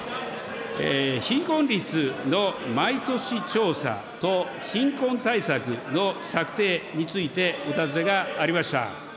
貧困率の毎年調査と貧困対策の策定についてお尋ねがありました。